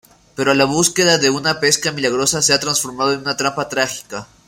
Pero la búsqueda de una pesca milagrosa se ha transformado en una trampa trágica.